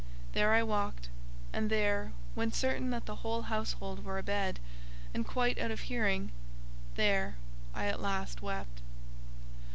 There I walked, and there, when certain that the whole household were abed, and quite out of hearing—there, I at last wept.